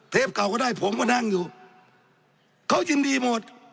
เก่าก็ได้ผมก็นั่งอยู่เขายินดีหมด